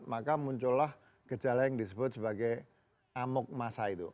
maka muncullah gejala yang disebut sebagai amok massa itu